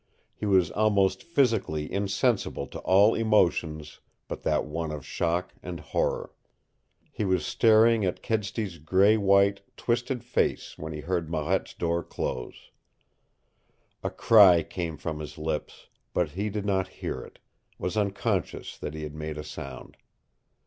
He was almost physically insensible to all emotions but that one of shock and horror. He was staring at Kedsty's gray white, twisted face when he heard Marette's door close. A cry came from his lips, but he did not hear it was unconscious that he had made a sound.